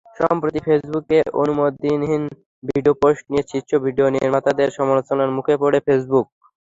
সম্প্রতি ফেসবুকে অনুমোদনহীন video post নিয়ে শীর্ষ ভিডিও নির্মাতাদের সমালোচনার মুখে পড়ে ফেসবুক।